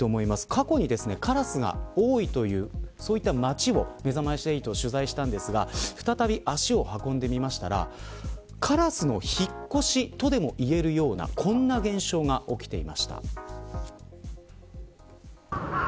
過去に、カラスが多いというそういった町をめざまし８が取材したんですが再び足を運んでみたらカラスの引っ越しとでもいえるようなこんな現象が起きていました。